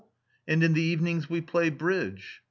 "And in the evenings we play bridge."